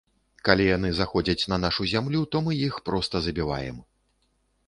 Калі яны заходзяць на нашу зямлю, то мы іх проста забіваем.